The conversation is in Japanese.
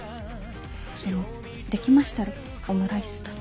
そのできましたらオムライスだと。